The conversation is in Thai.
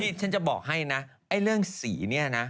นี่ฉันจะบอกให้นะไอ้เรื่องสีเนี่ยนะ